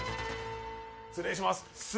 失礼します。